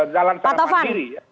jalan secara mandiri